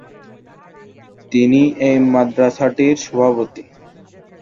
তিনি এই মাদ্রাসাটির সভাপতি।